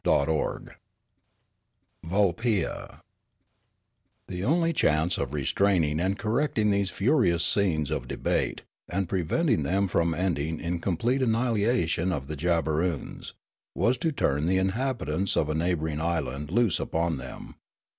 CHAPTER XXIII VULPIA THE only chance of restraining and correcting these furious scenes of debate, and preventing them from ending in complete annihilation of the Jabberoons, was to turn the inhabitants of a neighbouring island loose upon them.